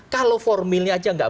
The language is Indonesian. kalau formulnya aja nggak